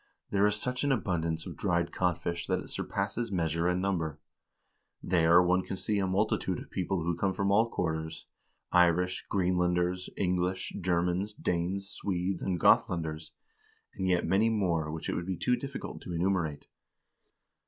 There is such an abundance of dried codfish that it surpasses measure and number. There one can see a multitude of people who come from all quarters; Irish, Greenlanders, English, Germans, Danes, Swedes, and Gothlanders, and yet many more which it would be too difficult to enumerate."